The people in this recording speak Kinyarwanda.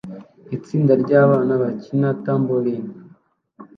Itsinda ryabana bakina tambourine